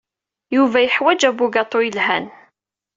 Yuba yeḥwaj abugaṭu yelhan.